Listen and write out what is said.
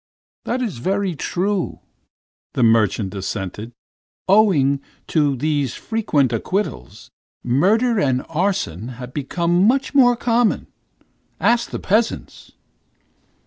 "That's very true," the merchant assented. "Owing to these frequent acquittals, murder and arson have become much more common. Ask the peasants."